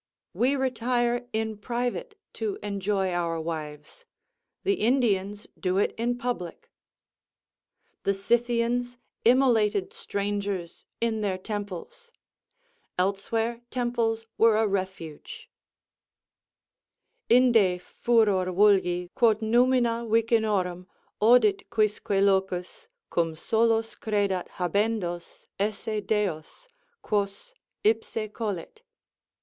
We retire in private to enjoy our wives; the Indians do it in public. The Scythians immolated strangers in their temples; elsewhere temples were a refuge: Inde furor vulgi, quod numina vicinorum Odit quisque locus, cum solos credat habendos Esse deos, quos ipse colit.